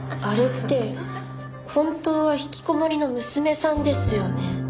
あれって本当は引きこもりの娘さんですよね？